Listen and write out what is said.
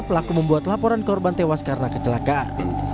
pelaku membuat laporan korban tewas karena kecelakaan